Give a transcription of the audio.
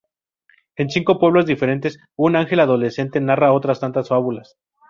En cinco pueblos diferentes un ángel adolescente narra otras tantas fábulas.